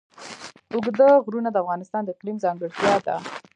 اوږده غرونه د افغانستان د اقلیم ځانګړتیا ده.